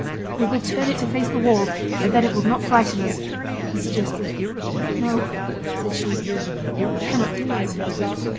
"We will turn it face to the wall, and then it will not frighten us," he suggested. "No," said she, "I cannot do it."